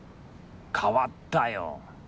変わったよ。